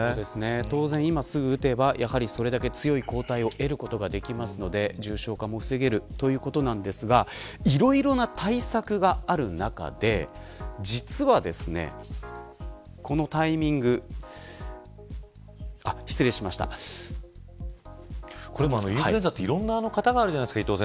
当然、今すぐ打てばそれだけ強い抗体を得ることができますので重症化も防げるということなんですがいろいろな対策がある中でインフルエンザっていろんな型がありますよね。